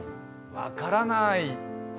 分からない！